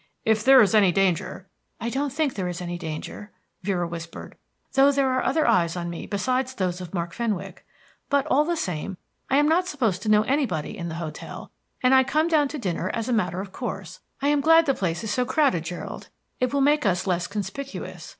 If there is any danger " "I don't think there is any danger," Vera whispered, "though there are other eyes on me besides those of Mark Fenwick. But, all the same, I am not supposed to know anybody in the hotel, and I come down to dinner as a matter of course, I am glad the place is so crowded, Gerald, it will make us less conspicuous.